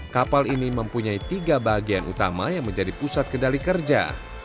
kapal ini mempunyai tiga bagian utama yang menjadi pusat kedali kerja